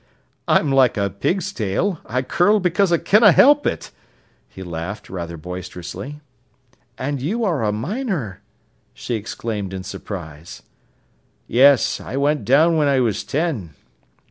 "I'm like a pig's tail, I curl because I canna help it," he laughed, rather boisterously. "And you are a miner!" she exclaimed in surprise. "Yes. I went down when I was ten."